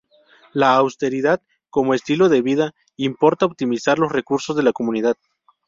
La austeridad como estilo de vida, importa optimizar los recursos de la comunidad.